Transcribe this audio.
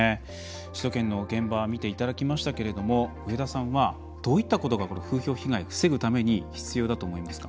首都圏の現場を見ていただきましたけど上田さんはどういったことが風評被害を防ぐために必要だと思いますか。